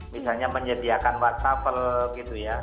misalnya menyediakan wastafel gitu ya